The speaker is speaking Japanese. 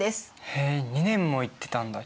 へえ２年も行ってたんだ。